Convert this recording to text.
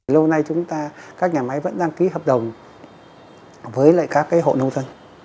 lâu nay chúng ta các nhà máy vẫn đăng ký hợp đồng với các hộ nông dân